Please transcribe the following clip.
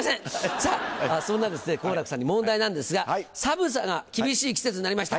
さぁそんな好楽さんに問題なんですが寒さが厳しい季節になりました